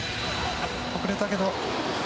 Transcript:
遅れたけど。